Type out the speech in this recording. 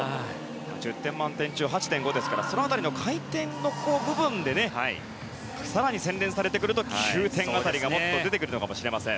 １０点満点中８．５ですからその辺りの回転の部分で更に洗練されてくると９点辺りがもっと出てくるのかもしれません。